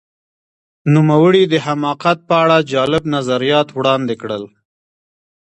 نوموړي د حماقت په اړه جالب نظریات وړاندې کړل.